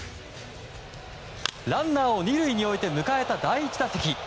ランナーを２塁に置いて迎えた第１打席。